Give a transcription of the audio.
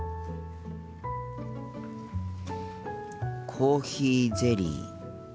コーヒーゼリー。